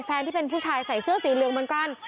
แฟนที่เป็นผู้ชายใส่เสื้อสีเหลืองเหมือนกัน